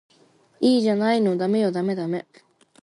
いいじゃないのダメよダメダメ